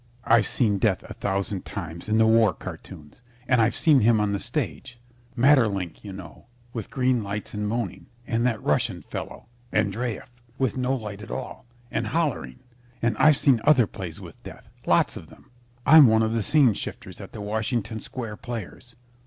I've seen Death a thousand times in the war cartoons. And I've seen him on the stage Maeterlinck, you know, with green lights and moaning, and that Russian fellow, Andreyeff, with no light at all, and hollering. And I've seen other plays with Death lots of them. I'm one of the scene shifters with the Washington Square Players.